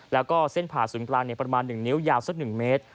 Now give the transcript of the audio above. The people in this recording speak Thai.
แล้วก็เส้นผ่าศูนย์กลาง๑นิ้วยาว๑เมตร